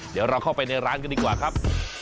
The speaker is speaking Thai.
เดี๋ยวเราเข้าไปในร้านกันดีกว่าครับ